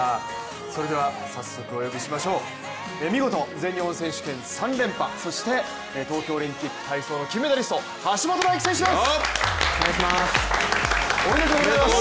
それでは早速お呼びしましょう、見事、全日本選手権３連覇そして東京オリンピック体操の金メダリスト橋本大輝選手です！